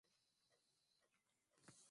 Sisi huwa na michezo sana